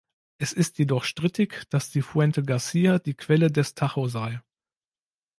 Es ist jedoch strittig, dass die "Fuente Garcia" die Quelle des Tajo sei.